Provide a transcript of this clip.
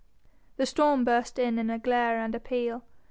The storm burst in a glare and a peal.